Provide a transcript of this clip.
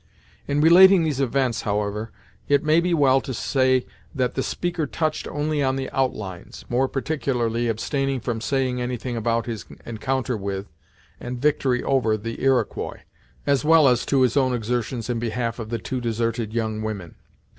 In relating these events, however, it may be well to say that the speaker touched only on the outlines, more particularly abstaining from saying anything about his encounter with, and victory over the Iroquois, as well as to his own exertions in behalf of the two deserted young women.